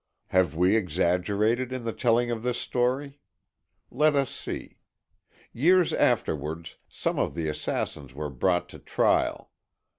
Have we exaggerated in the telling of this story? Let us see. Years afterwards some of the assassins were brought to trial.